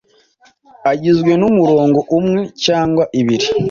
agizwe n’umurongo umwe cyangwa ibiri.